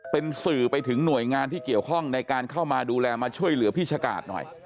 เป็นสื่อไปถึงหน่วยงานที่เกี่ยวข้องในการเข้ามาดูแลมาช่วยเหลือพี่ชะกาดหน่อย